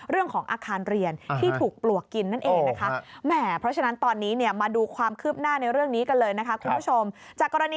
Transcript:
เรื่องของอาคารเรียนที่ถูกปลวกกินนั่นเองนะคะคุณผู้ชม